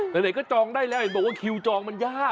หลายก็จองได้แล้วบอกว่าคิวจองมันยาก